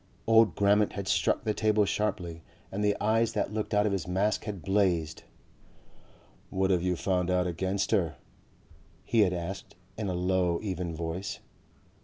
Old Grammont had struck the table sharply and the eyes that looked out of his mask had blazed. "What have you found out against her?" he had asked in a low even voice.